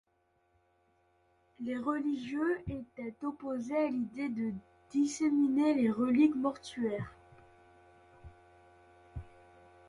Les religieux, étaient opposés à l'idée de disséminer les reliques mortuaires.